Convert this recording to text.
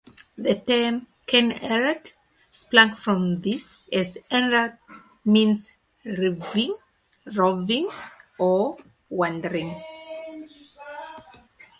The term "Knight-errant" sprang from this, as "errant" meant "roving" or "wandering".